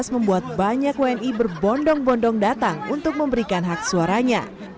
membuat banyak wni berbondong bondong datang untuk memberikan hak suaranya